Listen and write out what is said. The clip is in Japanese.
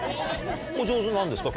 お上手なんですか？